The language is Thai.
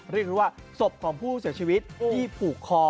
เรียกได้ว่าศพของผู้เสียชีวิตที่ผูกคอ